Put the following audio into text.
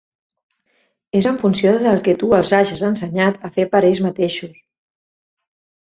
És en funció del que tu els hages ensenyat a fer per ells mateixos.